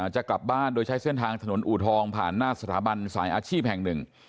จะกลับบ้านโดยใช้เส้นทางถนนอูทองผ่านหน้าสถาบันสายอาชีพแห่งหนึ่ง